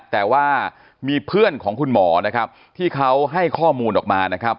แต่ว่ามีเพื่อนของคุณหมอนะครับที่เขาให้ข้อมูลออกมานะครับ